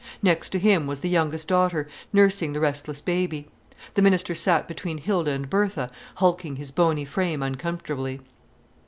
Next to him was the youngest daughter, nursing the restless baby. The minister sat between Hilda and Bertha, hulking his bony frame uncomfortably.